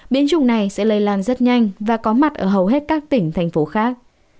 biến chủng này sẽ lây lan rất nhanh và có mặt ở hầu hết các tỉnh thành phố khác